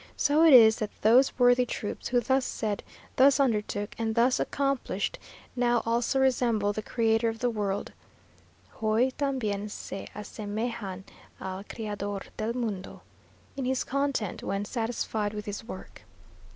So it is that those worthy troops who thus said, thus undertook, and thus accomplished, now also resemble the Creator of the world (hoy tambien se asememejan al Criador del mundo) in his content, when satisfied with his work.